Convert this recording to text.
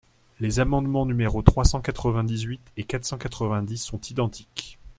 Les amendements numéros trois cent quatre-vingt-dix-huit et quatre cent quatre-vingt-dix sont identiques.